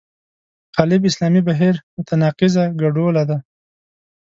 غالب اسلامي بهیر متناقضه ګډوله ده.